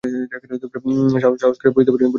সাহস করিয়া বলিতে পারি না, ইহা অসম্ভব।